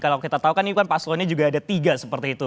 kalau kita tahu kan ini kan paslonnya juga ada tiga seperti itu